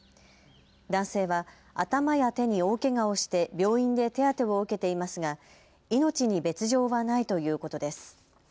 男性は頭や手に大けがをして病院で手当てを受けていますが命に別状はないということです。